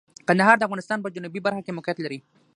کندهار د افغانستان په جنوبی برخه کې موقعیت لري.